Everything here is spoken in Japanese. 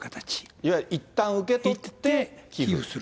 いわゆるいったん受け取って、寄付する。